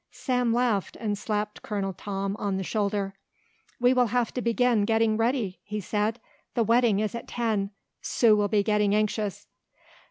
Sam laughed and slapped Colonel Tom on the shoulder. "We will have to begin getting ready," he said. "The wedding is at ten. Sue will be getting anxious."